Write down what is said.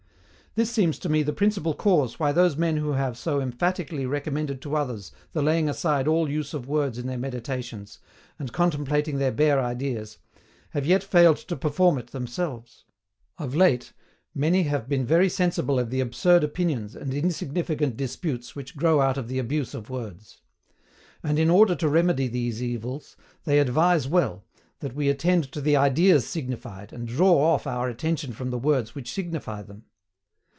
This seems to me the principal cause why those men who have so emphatically recommended to others the laying aside all use of words in their meditations, and contemplating their bare ideas, have yet failed to perform it themselves. Of late many have been very sensible of the absurd opinions and insignificant disputes which grow out of the abuse of words. And, in order to remedy these evils, they advise well, that we attend to the ideas signified, and draw off our attention from the words which signify them.